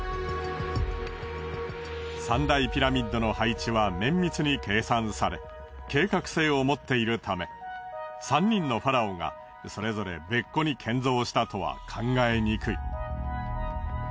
三大ピラミッドの配置は綿密に計算され計画性を持っているため３人のファラオがそれぞれ別個に建造したとは考えにくい。